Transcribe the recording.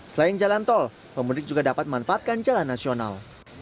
selain jalan tol pemudik juga dapat memanfaatkan jalan nasional